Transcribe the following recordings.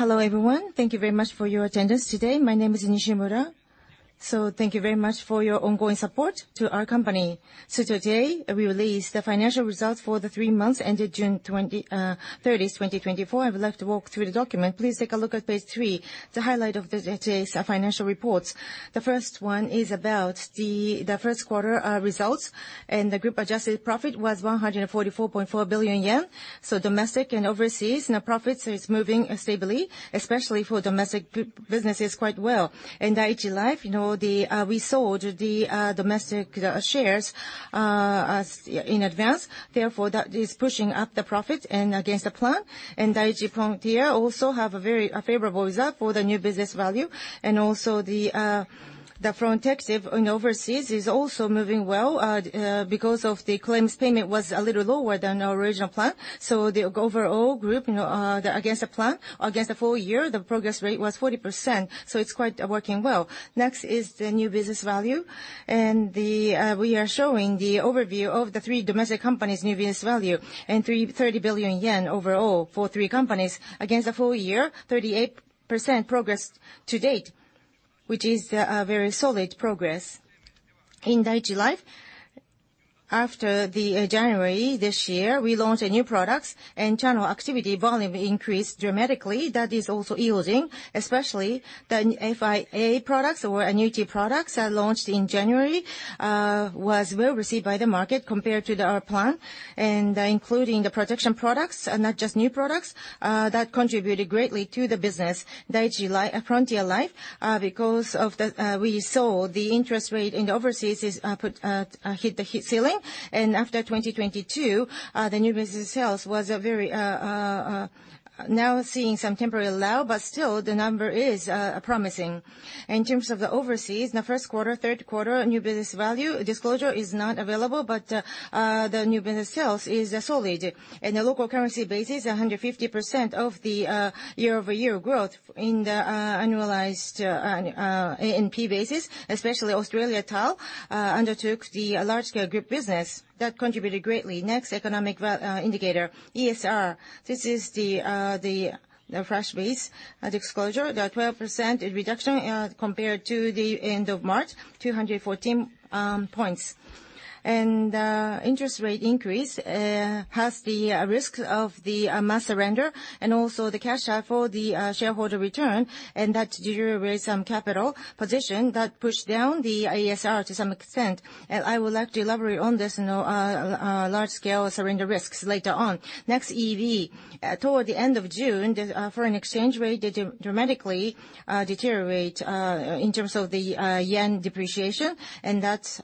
Hello, everyone. Thank you very much for your attendance today. My name is Nishimura. So thank you very much for your ongoing support to our company. So today, we release the financial results for the three months ended June 30, 2024. I would like to walk through the document. Please take a look at page 3, the highlight of today's financial reports. The first one is about the first quarter results, and the group adjusted profit was 144.4 billion yen. So domestic and overseas net profits is moving stably, especially for domestic businesses, quite well. In Dai-ichi Life, you know, we sold the domestic shares in advance, therefore, that is pushing up the profit and against the plan. Dai-ichi Frontier also have a very favorable result for the new business value, and also the Protective in overseas is also moving well, because of the claims payment was a little lower than our original plan. So the overall group, you know, the against the plan, against the full year, the progress rate was 40%, so it's quite working well. Next is the new business value, and the we are showing the overview of the three domestic companies' new business value, and thirty billion yen overall for three companies. Against the full year, 38% progress to date, which is a very solid progress. In Dai-ichi Life, after the January this year, we launched new products, and channel activity volume increased dramatically. That is also yielding, especially the FIA products or annuity products launched in January was well-received by the market compared to the plan, and including the protection products and not just new products that contributed greatly to the business. Dai-ichi Frontier Life, because we saw the interest rate in the overseas is hit the ceiling, and after 2022 the new business sales was a very now seeing some temporary low, but still the number is promising. In terms of the overseas, in the first quarter, third quarter, new business value disclosure is not available, but the new business sales is solid. In the local currency basis, 150% year-over-year growth in the annualized ANP basis, especially Australia TAL, undertook the large-scale group business. That contributed greatly. Next, economic indicator, ESR. This is the flash basis at disclosure, 12% reduction compared to the end of March, 214 points. Interest rate increase has the risk of the mass lapse and also the cash out for the shareholder return, and that deteriorated some capital position that pushed down the ESR to some extent. I would like to elaborate on this, you know, large-scale lapse risks later on. Next, EV. Toward the end of June, the foreign exchange rate dramatically deteriorate in terms of the yen depreciation, and that's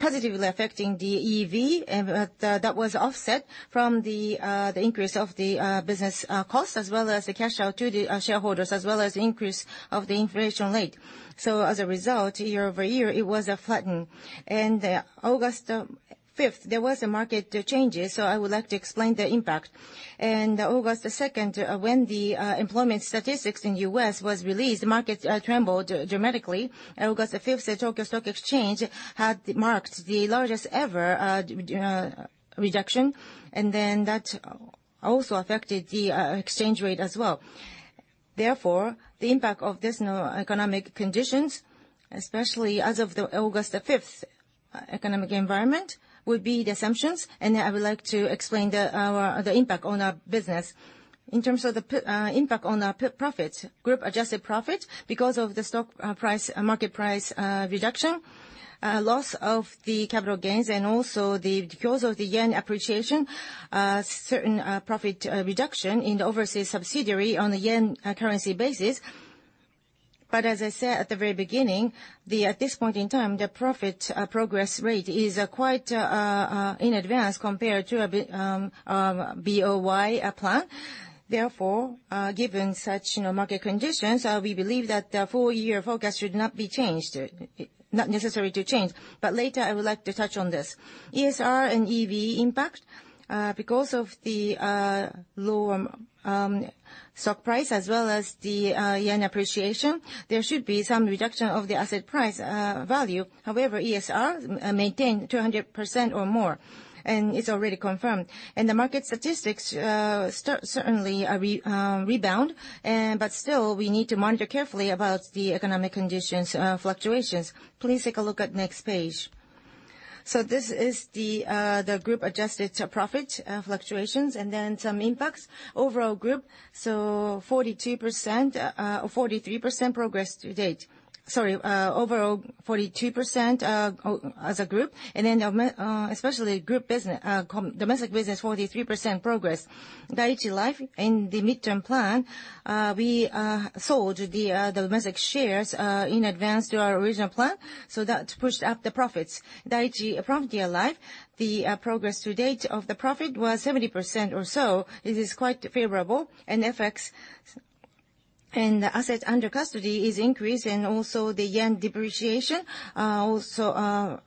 positively affecting the EV, but that was offset from the increase of the business cost, as well as the cash out to the shareholders, as well as the increase of the inflation rate. So as a result, year-over-year, it was a flatten. August fifth, there was a market changes, so I would like to explain the impact. August the second, when the employment statistics in U.S. was released, the markets trembled dramatically. August the fifth, the Tokyo Stock Exchange had marked the largest ever reduction, and then that also affected the exchange rate as well. Therefore, the impact of this, you know, economic conditions, especially as of the August 5 economic environment, would be the assumptions, and I would like to explain the impact on our business. In terms of the impact on our profit, group-adjusted profit, because of the stock price market price reduction loss of the capital gains, and also because of the yen appreciation, certain profit reduction in the overseas subsidiary on the yen currency basis. But as I said at the very beginning, at this point in time, the profit progress rate is quite in advance compared to BOY plan. Therefore, given such, you know, market conditions, we believe that the full year forecast should not be changed, not necessary to change. But later, I would like to touch on this. ESR and EV impact, because of the low stock price as well as the yen appreciation, there should be some reduction of the asset price value. However, ESR maintained 200% or more, and it's already confirmed. And the market statistics certainly rebound, but still, we need to monitor carefully about the economic conditions fluctuations. Please take a look at next page. So this is the group-adjusted profit fluctuations, and then some impacts. Overall group, so 42% or 43% progress to date. Sorry, overall 42% as a group, and then especially group business domestic business, 43% progress. Dai-ichi Life in the midterm plan, we sold the domestic shares in advance to our original plan, so that pushed up the profits. Dai-ichi Frontier Life, the progress to date of the profit was 70% or so. It is quite favorable, and FX and the assets under custody is increased, and also the yen depreciation also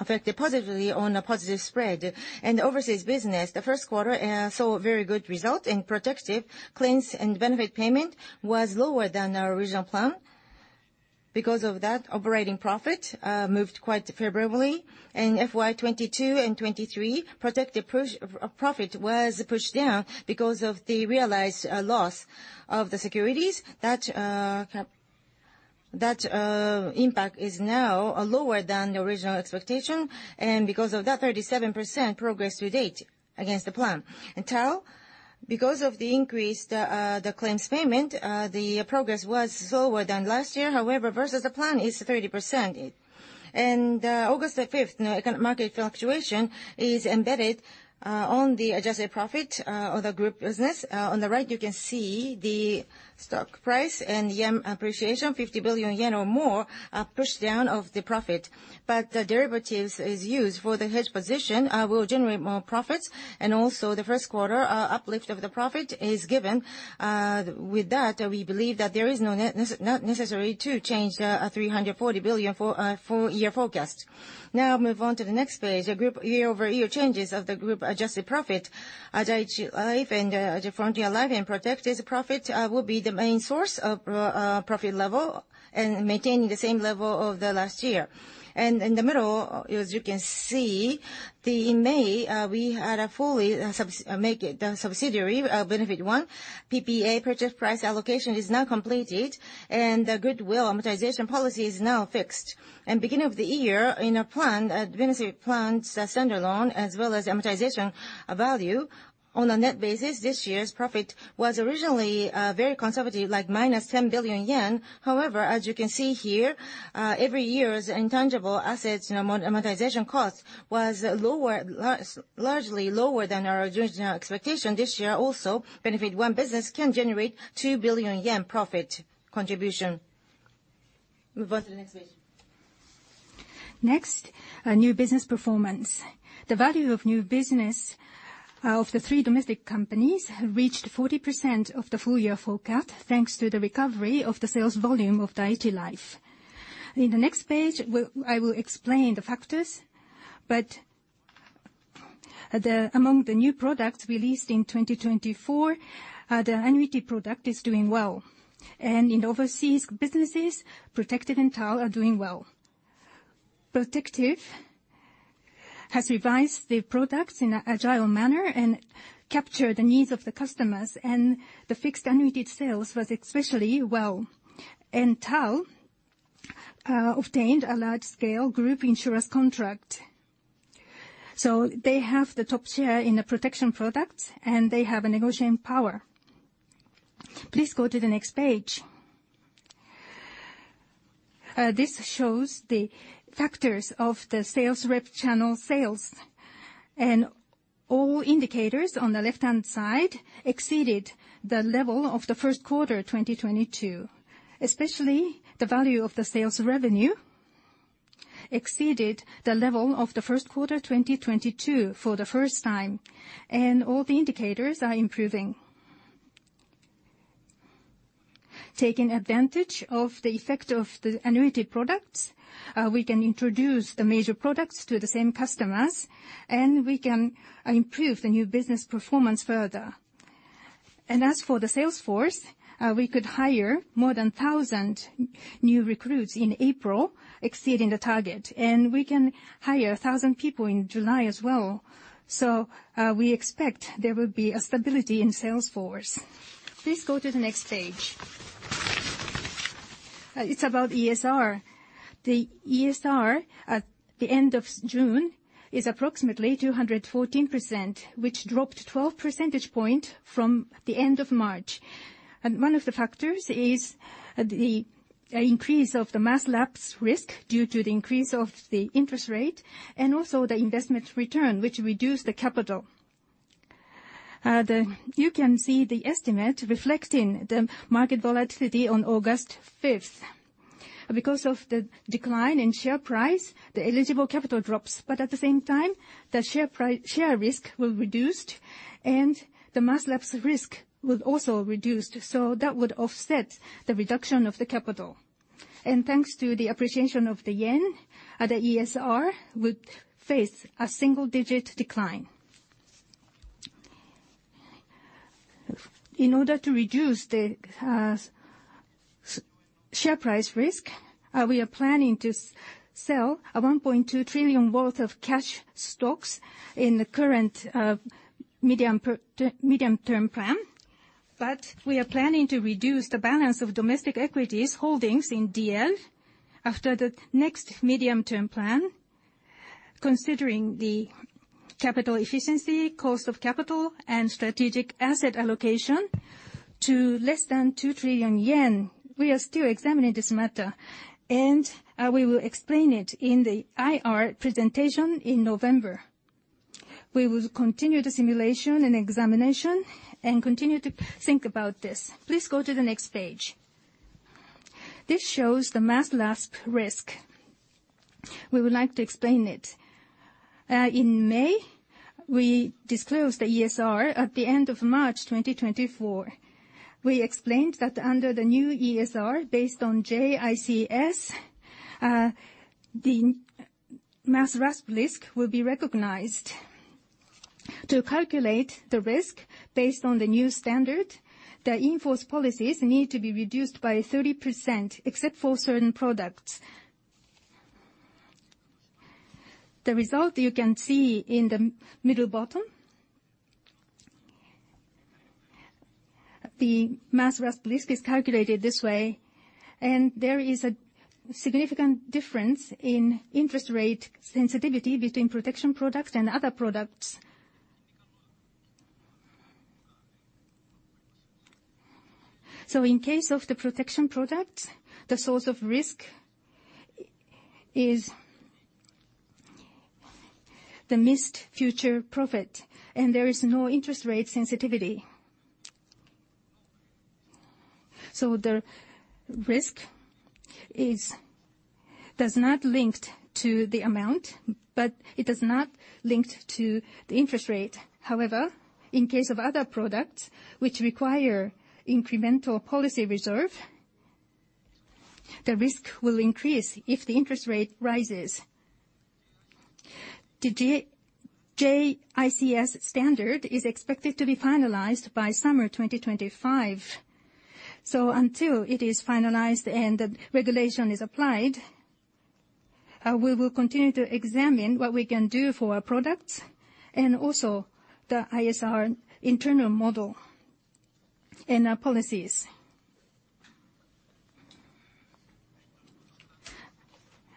affect positively on a positive spread. And overseas business, the first quarter saw a very good result, and Protective claims and benefit payment was lower than our original plan. ... Because of that, operating profit moved quite favorably. In FY 2022 and 2023, Protective's profit was pushed down because of the realized loss of the securities. That impact is now lower than the original expectation, and because of that, 37% progress to date against the plan. In TAL, because of the increased claims payment, the progress was slower than last year. However, versus the plan, it's 30%. August the fifth, no economic market fluctuation is embedded on the adjusted profit of the group business. On the right, you can see the stock price and yen appreciation, 50 billion yen or more, a push down of the profit. But the derivatives is used for the hedge position will generate more profits, and also the first quarter uplift of the profit is given. With that, we believe that there is no not necessary to change the 340 billion for full year forecast. Now move on to the next page. The group year-over-year changes of the group adjusted profit, Dai-ichi Life and Frontier Life and Protective's profit will be the main source of profit level and maintaining the same level of the last year. And in the middle, as you can see, in May we had a fully make it the subsidiary Benefit One. PPA, purchase price allocation, is now completed, and the goodwill amortization policy is now fixed. Beginning of the year, in a plan, ministry plan, stand-alone, as well as amortization value, on a net basis, this year's profit was originally very conservative, like minus 10 billion yen. However, as you can see here, every year's intangible assets and amortization cost was lower, largely lower than our original expectation. This year also, Benefit One business can generate 2 billion yen profit contribution. Move on to the next page. Next, our new business performance. The value of new business of the three domestic companies have reached 40% of the full year forecast, thanks to the recovery of the sales volume of Dai-ichi Life. In the next page, I will explain the factors, but the... Among the new products released in 2024, the annuity product is doing well. In overseas businesses, Protective and TAL are doing well. Protective has revised the products in an agile manner and captured the needs of the customers, and the fixed annuity sales was especially well. TAL obtained a large-scale group insurance contract, so they have the top share in the protection products, and they have a negotiating power. Please go to the next page. This shows the factors of the sales rep channel sales, and all indicators on the left-hand side exceeded the level of the first quarter, 2022. Especially, the value of the sales revenue exceeded the level of the first quarter, 2022, for the first time, and all the indicators are improving. Taking advantage of the effect of the annuity products, we can introduce the major products to the same customers, and we can improve the new business performance further. As for the sales force, we could hire more than 1,000 new recruits in April, exceeding the target, and we can hire 1,000 people in July as well. So, we expect there will be a stability in sales force. Please go to the next page. It's about ESR. The ESR at the end of June is approximately 214%, which dropped 12 percentage points from the end of March. One of the factors is the increase of the mass lapse risk due to the increase of the interest rate and also the investment return, which reduced the capital. You can see the estimate reflecting the market volatility on August fifth. Because of the decline in share price, the eligible capital drops, but at the same time, the share risk was reduced, and the mass lapse risk was also reduced, so that would offset the reduction of the capital. Thanks to the appreciation of the yen, the ESR would face a single-digit decline. In order to reduce the share price risk, we are planning to sell 1.2 trillion worth of cash stocks in the current medium-term plan. But we are planning to reduce the balance of domestic equities holdings in DL after the next medium-term plan, considering the capital efficiency, cost of capital, and strategic asset allocation to less than 2 trillion yen. We are still examining this matter, and we will explain it in the IR presentation in November. We will continue the simulation and examination and continue to think about this. Please go to the next page. This shows the mass lapse risk. We would like to explain it. In May, we disclosed the ESR at the end of March 2024. We explained that under the new ESR, based on J-ICS, the mass lapse risk will be recognized. To calculate the risk based on the new standard, the in-force policies need to be reduced by 30%, except for certain products. The result you can see in the middle bottom. The mass risk is calculated this way, and there is a significant difference in interest rate sensitivity between protection products and other products. So in case of the protection product, the source of risk is the missed future profit, and there is no interest rate sensitivity. So the risk is not linked to the amount, but it is not linked to the interest rate. However, in case of other products which require incremental policy reserve, the risk will increase if the interest rate rises. The J-ICS standard is expected to be finalized by summer 2025. So until it is finalized and the regulation is applied, we will continue to examine what we can do for our products, and also the ESR internal model and our policies.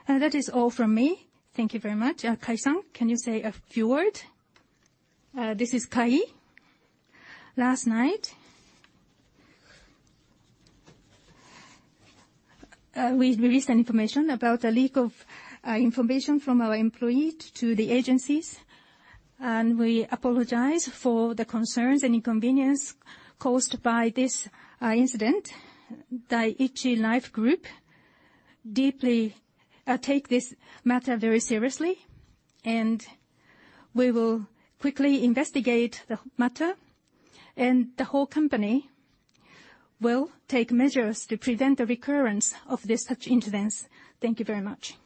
And that is all from me. Thank you very much. Kai-san, can you say a few words? This is Kai. Last night, we released information about a leak of information from our employee to the agencies, and we apologize for the concerns and inconvenience caused by this incident. Dai-ichi Life Group deeply take this matter very seriously, and we will quickly investigate the matter, and the whole company will take measures to prevent the recurrence of this such incidents. Thank you very much!